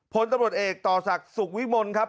พลตำรวจเอกต่อศักดิ์สุขวิมลครับ